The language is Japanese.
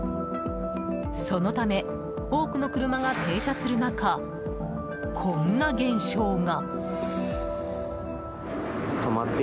そのため、多くの車が停車する中こんな現象が。